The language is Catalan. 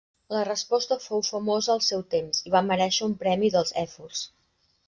La resposta fou famosa al seu temps, i va merèixer un premi dels èfors.